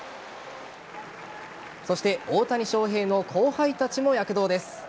そして大谷翔平の後輩たちも躍動です。